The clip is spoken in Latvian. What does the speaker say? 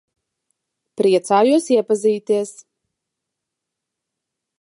Priecājos iepazīties.